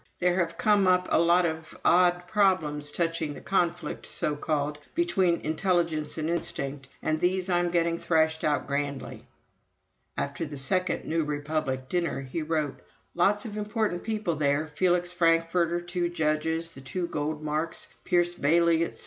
There have come up a lot of odd problems touching the conflict, so called, between intelligence and instinct, and these I'm getting thrashed out grandly." After the second "New Republic" dinner he wrote: "Lots of important people there ... Felix Frankfurter, two judges, and the two Goldmarks, Pierce Bailey, etc.